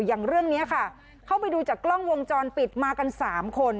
อย่างเรื่องนี้ค่ะเข้าไปดูจากกล้องวงจรปิดมากัน๓คน